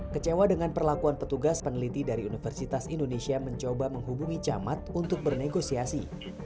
kami menunjukkan surat tugas resmi dan menyampaikan kegiatan ini sudah diketahui oleh pemerintah provinsi